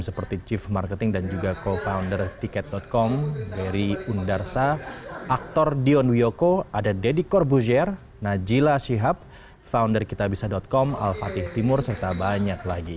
seperti chief marketing dan juga co founder tiket com berry undarsa aktor dion wiyoko ada deddy corbuzier najila shihab founder kitabisa com al fatih timur serta banyak lagi